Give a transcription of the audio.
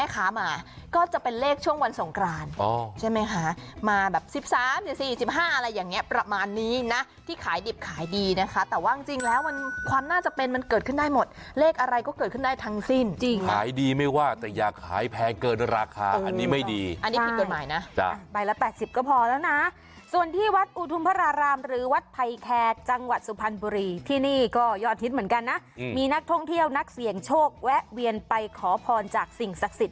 ขามาก็จะเป็นเลขช่วงวันสงกรานใช่ไหมคะมาแบบสิบสามสี่สี่สิบห้าอะไรอย่างเงี้ยประมาณนี้นะที่ขายดิบขายดีนะคะแต่ว่าจริงแล้วมันความน่าจะเป็นมันเกิดขึ้นได้หมดเลขอะไรก็เกิดขึ้นได้ทั้งสิ้นจริงขายดีไม่ว่าแต่อยากขายแพงเกินราคาอันนี้ไม่ดีอันนี้ผิดกฎหมายนะจ้ะไปละแปดสิบก็พอแล้วนะส่วนที่วัดอุทุม